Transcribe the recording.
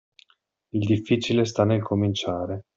Il difficile sta nel cominciare.